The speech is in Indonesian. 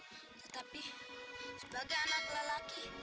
tetapi sebagai anak lelaki